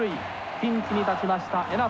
ピンチに立ちました江夏。